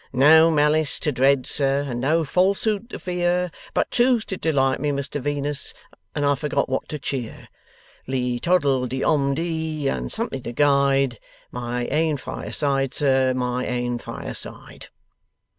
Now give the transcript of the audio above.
"No malice to dread, sir, And no falsehood to fear, But truth to delight me, Mr Venus, And I forgot what to cheer. Li toddle de om dee. And something to guide, My ain fireside, sir, My ain fireside."